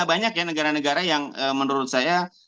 banyak ya negara negara yang menurut saya